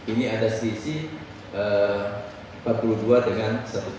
ini ada sisi empat puluh dua dengan satu ratus tiga puluh